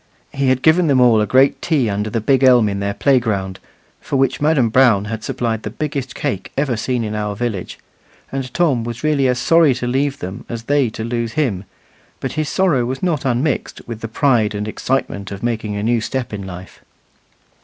He had given them all a great tea under the big elm in their playground, for which Madam Brown had supplied the biggest cake ever seen in our village; and Tom was really as sorry to leave them as they to lose him, but his sorrow was not unmixed with the pride and excitement of making a new step in life.